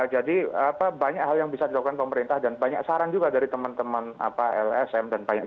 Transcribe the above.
jadi banyak hal yang bisa dilakukan pemerintah dan banyak saran juga dari teman teman lsm dan pnkum